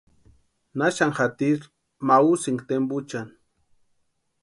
¿Naxani jatiri ma úsïnki tempuchani?